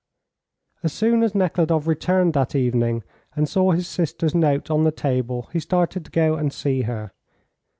As soon as Nekhludoff returned that evening and saw his sister's note on the table he started to go and see her.